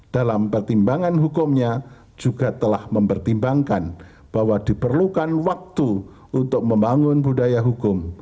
dalam pertimbangan hukumnya juga telah mempertimbangkan bahwa diperlukan waktu untuk membangun budaya hukum